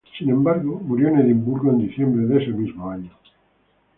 Sin embargo, murió en Edimburgo en diciembre de ese mismo año.